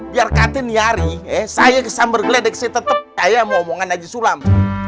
biar kati nyari saya kesamber geledek sih tetep kaya sama omongan haji sulam